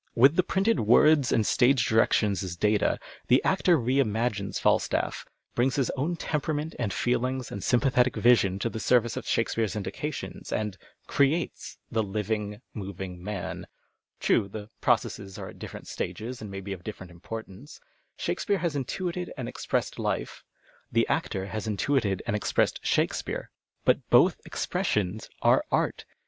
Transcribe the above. With the printed words and stage directions as data, the actor re imagines Falstaff, brings his own temperament and fci hngs and sympathetic vision to the service of Sliake speare's indications, and " creates " the living, moving man. True, the processes are at different stages, and may be of different imi)()rtanee. Shake speare has intuited and expressed lite, the actor has 103 PASTICHK AND PUEJUDUK intuited and expressed Shakespeare, But both expressions arc art.